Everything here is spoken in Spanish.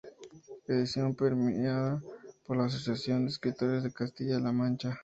Edición premiada por la Asociación de Escritores de Castilla la Mancha.